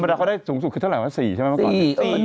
ดาเขาได้สูงสุดคือเท่าไหวะ๔ใช่ไหมเมื่อก่อน